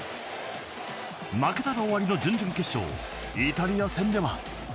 負けたら終わりの準々決勝イタリア戦では。